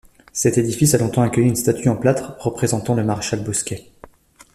Cet édifice a longtemps accueilli une statue en plâtre représentant le maréchal Bosquet.